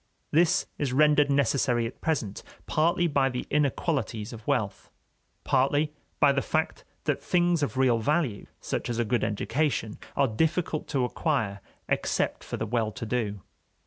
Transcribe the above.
This is rendered necessary at present, partly by the inequalities of wealth, partly by the fact that things of real value, such as a good education, are difficult to acquire, except for the well to do.